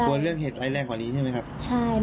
เรื่องเหตุร้ายแรงกว่านี้ใช่ไหมครับ